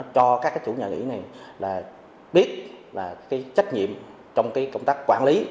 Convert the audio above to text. cho các chủ nhà nghỉ biết trách nhiệm trong công tác quản lý